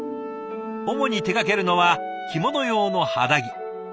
主に手がけるのは着物用の肌着。